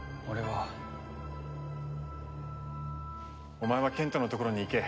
お前は賢人のところに行け。